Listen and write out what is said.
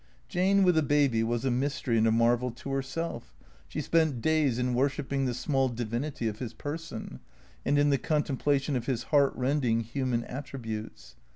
Jane with a baby was a mystery and a marvel to herself. She spent days in worshipping the small divinity of his person, and in the contemplation of his heartrending human attributes.